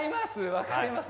分かります